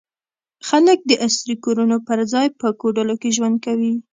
خلک د عصري کورونو پر ځای په کوډلو کې ژوند کوي.